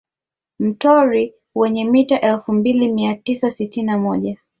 Mtorwi wenye mita elfu mbili mia tisa sitini na moja